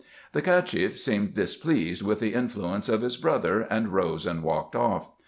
The Cacheff seemed displeased with the influence of his brother, and rose and walked off.